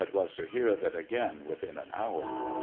was to hear of it again within an hour.